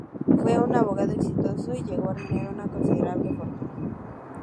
Fue un abogado exitoso y llegó a reunir una considerable fortuna.